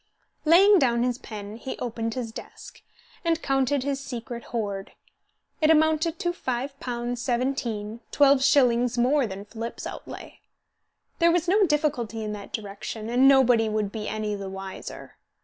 Laying down his pen, he opened his desk: and counted his secret hoard. It amounted to five pounds seventeen, twelve shillings more than Flipp's outlay. There was no difficulty in that direction, and nobody would be any the wiser.